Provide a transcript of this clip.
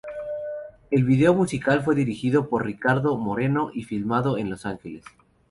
El video musical fue dirigido por Ricardo Moreno y filmado en Los Ángeles.